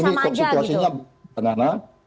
jadi ini kalau situasinya pak nana